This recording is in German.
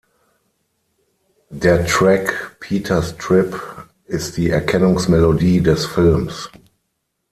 Der Track "Peter's Trip" ist die Erkennungsmelodie des Films.